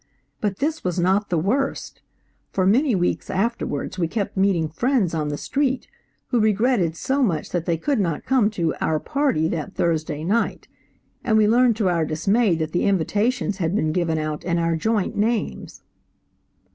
But this was not the worst; for many weeks afterwards we kept meeting friends on the street who regretted so much that they could not come to "our party" that Thursday night, and we learned to our dismay that the invitations had been given out in our joint names.